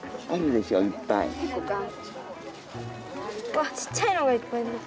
わっちっちゃいのがいっぱい出てきた。